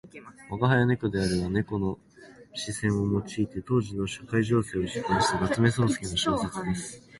「吾輩は猫である」は猫の視線を用いて当時の社会情勢を批評した夏目漱石の小説です。